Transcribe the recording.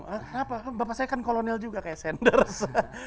kenapa bapak saya kan kolonel juga kayak sanders